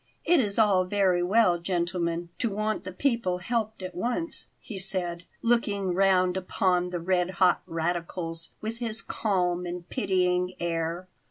"It is all very well, gentlemen, to want the people helped at once," he said, looking round upon the red hot radicals with his calm and pitying air.